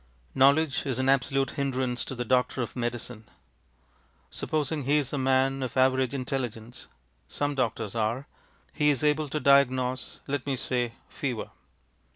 Knowledge is an absolute hindrance to the doctor of medicine. Supposing he is a man of average intelligence (some doctors are), he is able to diagnose, let me say, fever.